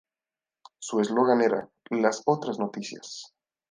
Su eslogan era "Las Otras Noticias".